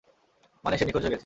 মানে, সে নিখোঁজ হয়ে গেছে।